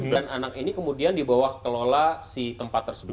dan anak ini kemudian dibawah kelola si tempat tersebut